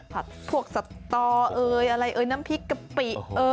ผัดพวกสตออะไรน้ำพริกกะปิ